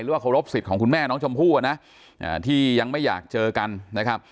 เคารพสิทธิ์ของคุณแม่น้องชมพู่อ่ะนะที่ยังไม่อยากเจอกันนะครับ